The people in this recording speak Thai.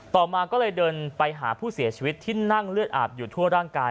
ต่อมาก็เลยเดินไปหาผู้เสียชีวิตที่นั่งเลือดอาบอยู่ทั่วร่างกาย